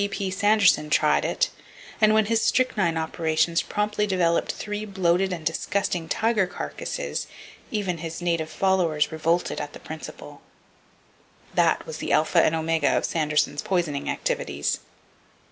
G.P. Sanderson tried it, and when his strychnine operations promptly developed three bloated and disgusting tiger carcasses, even his native followers revolted at the principle. That was the alpha and omega of Sanderson's poisoning activities.